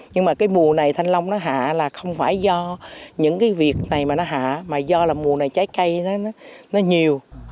nhưng mà cái mùa này thanh long nó hạ là không phải do những cái việc này mà nó hạ mà do là mùa này trái cây nó nhiều